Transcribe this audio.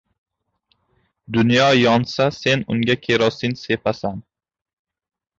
• Dunyo yonsa, sen unga kerosin sepasan.